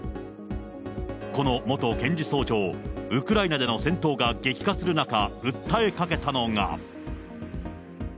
この元検事総長、ウクライナでの戦闘が激化する中、訴えかけたのが。